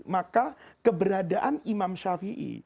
maka keberadaan imam shafi'i